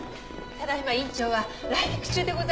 ただ今院長は来客中でございまして。